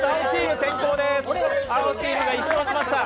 まず青チームが一勝しました。